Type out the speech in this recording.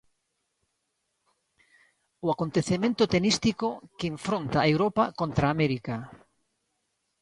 O acontecemento tenístico que enfronta a Europa contra América.